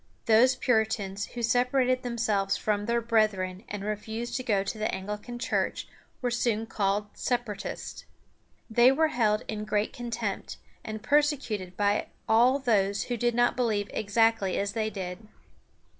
Those Puritans who separated themselves from their brethren and refused to go to the Anglican Church were soon called Sep´a ra tists. They were held in great contempt, and persecuted by all those who did not believe exactly as they did.